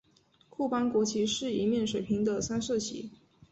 库班国旗是一面水平的三色旗。